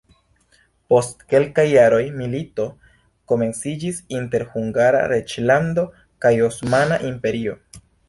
Post kelkaj jaroj milito komenciĝis inter Hungara reĝlando kaj Osmana Imperio.